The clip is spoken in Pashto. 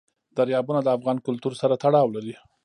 دریابونه د افغان کلتور سره تړاو لري.